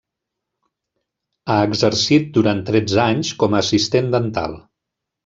Ha exercit durant tretze anys com a assistent dental.